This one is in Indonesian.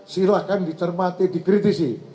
silahkan dicermati dikritisi